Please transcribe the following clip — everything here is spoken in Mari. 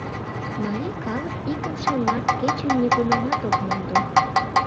Марий калык икымше март кечым нигунамат ок мондо.